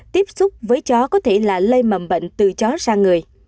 tiếp xúc với chó có thể là lây mầm bệnh từ chó sang người